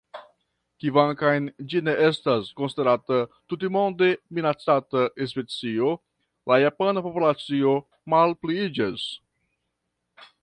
Kvankam ĝi ne estas konsiderata tutmonde minacata specio, la japana populacio malpliiĝas.